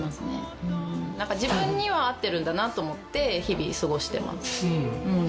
自分には合ってるんだなと思って日々過ごしています。